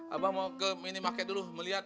abah mau ke minimarket dulu melihat